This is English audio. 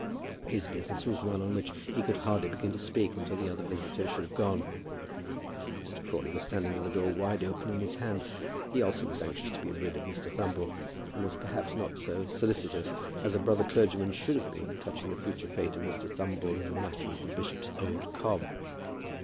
His business was one on which he could hardly begin to speak until the other visitor should have gone. Mr. Crawley was standing with the door wide open in his hand. He also was anxious to be rid of Mr. Thumble, and was perhaps not so solicitous as a brother clergyman should have been touching the future fate of Mr. Thumble in the matter of the bishop's old cob.